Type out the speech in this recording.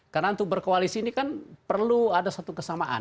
karena untuk berkoalisi ini kan perlu ada satu kesamaan